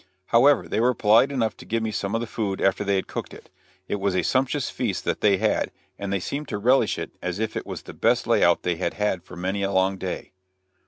However, they were polite enough to give me some of the food after they had cooked it. It was a sumptuous feast that they had, and they seemed to relish it as if it was the best lay out they had had for many a long day.